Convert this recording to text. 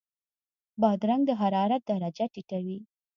بادرنګ د حرارت درجه ټیټوي.